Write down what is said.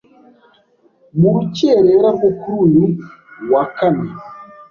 mu rukerera rwo kuri uyu wa Kane,